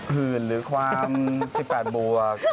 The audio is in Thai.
หื่นหรือความทิ้ปแปดบวก